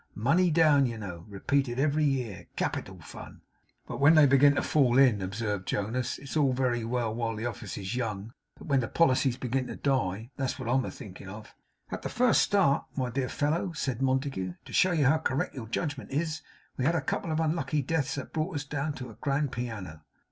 Money down, you know; repeated every year; capital fun!' 'But when they begin to fall in,' observed Jonas. 'It's all very well, while the office is young, but when the policies begin to die that's what I am thinking of.' 'At the first start, my dear fellow,' said Montague, 'to show you how correct your judgment is, we had a couple of unlucky deaths that brought us down to a grand piano.